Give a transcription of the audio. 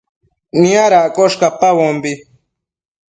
Niadaccosh cacpabombi